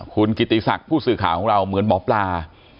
คุณกิติศักดิ์ผู้สื่อข่าวของเราเหมือนหมอปลา